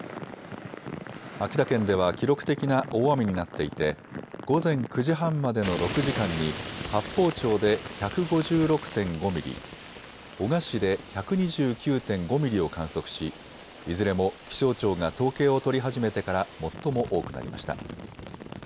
秋田県では記録的な大雨になっていて午前９時半までの６時間に八峰町で１５６．５ミリ、男鹿市で１２９．５ミリを観測しいずれも気象庁が統計を取り始めてから最も多くなりました。